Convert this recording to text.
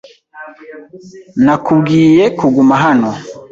Nakubwiye kuguma hano.